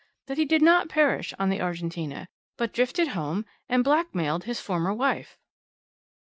That he did not perish on the Argentina, but drifted home, and blackmailed his former wife."